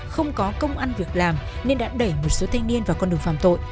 không có công an việc làm nên đã đẩy một số thanh niên vào con đường phàm tội